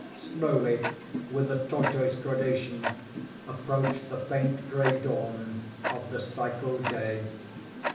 Slowly—with a tortoise gradation—approached the faint gray dawn of the psychal day.